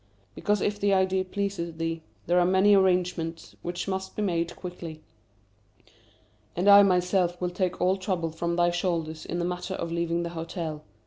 Because if the idea pleases thee, there are many arrangements which must be made quickly. And I myself will take all trouble from thy shoulders in the matter of leaving the hotel.